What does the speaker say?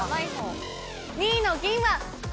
２位の銀は。